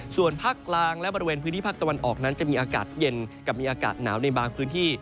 ส่วนภาคกลางและบริเวณพื้นที่ภาคตะวันออกนั้นจะมีอากาศเย็นกับมีอากาศหนาวในบางพื้นที่